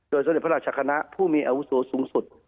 สมเด็จพระราชคณะผู้มีอาวุโสสูงสุด